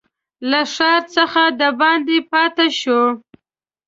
له ښار څخه دباندي پاته شو.